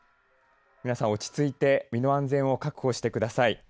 皆さん、落ち着いて身の安全を確保してください。